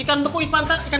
ikan beku ikan patin